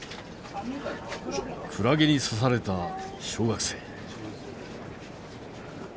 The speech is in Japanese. クラゲに刺された小学生。